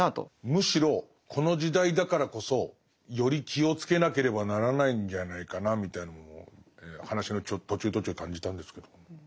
むしろこの時代だからこそより気をつけなければならないんじゃないかなみたいなものを話の途中途中感じたんですけど。